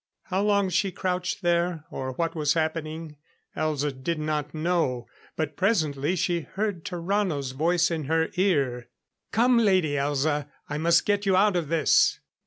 How long she crouched there, or what was happening, Elza did not know. But presently she heard Tarrano's voice in her ear. "Come, Lady Elza, I must get you out of this."